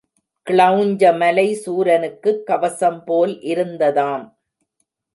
கிளெஞ்ச மலை சூரனுக்குக் கவசம் போல் இருந்ததாம்.